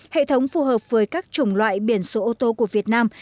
hệ thống phù hợp với các chủng loại biển số ô tô của việt nam